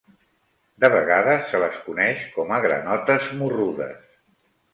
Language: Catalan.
De vegades, se les coneix com a granotes morrudes.